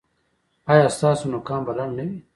ایا ستاسو نوکان به لنډ نه وي؟